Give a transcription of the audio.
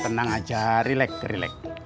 tenang aja relax relax